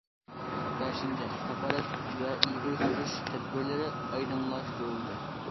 بەشىنچى، كاپالەت ۋە ئىلگىرى سۈرۈش تەدبىرلىرى ئايدىڭلاشتۇرۇلدى.